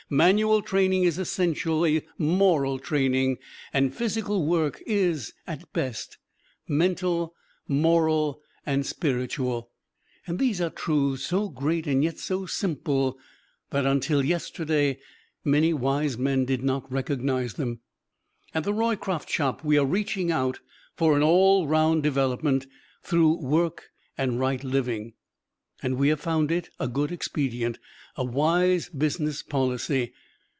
Manual training is essentially moral training; and physical work is, at its best, mental, moral and spiritual and these are truths so great and yet so simple that until yesterday many wise men did not recognize them. At the Roycroft Shop we are reaching out for an all round development through work and right living. And we have found it a good expedient a wise business policy.